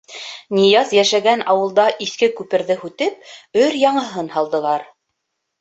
Нияз йәшәгән ауылда иҫке күперҙе һүтеп, өр-яңыһын һалдылар.